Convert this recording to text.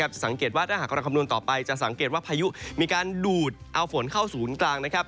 จะสังเกตว่าถ้าหากเราคำนวณต่อไปจะสังเกตว่าพายุมีการดูดเอาฝนเข้าศูนย์กลางนะครับ